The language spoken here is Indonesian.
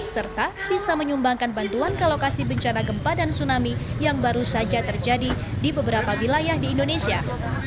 serta bisa menyumbangkan bantuan ke lokasi bencana gempa dan tsunami yang baru saja terjadi di beberapa wilayah di indonesia